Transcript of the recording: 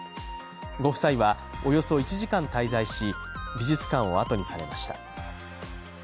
ご夫妻はおよそ１時間滞在し美術館をあとにされました。